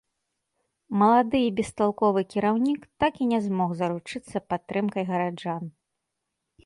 Малады і бесталковы кіраўнік так і не змог заручыцца падтрымкай гараджан.